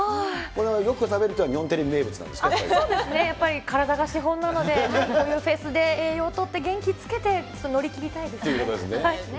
よく食べるというのは、日本テレそうですね、やっぱり体が資本なので、こういうフェスで栄養をつけて、元気つけて、乗り切りたいですね。ということですね。